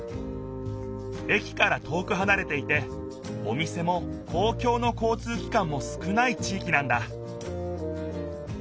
駅から遠くはなれていてお店も公共の交通機関も少ない地いきなんだ